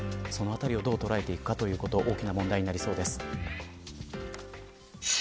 そのあたりをどう捉えていくか大きな問題になりそうです。